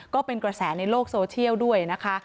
ก็เป็นกระแสในโลกโซเชียลด้วยนะคะ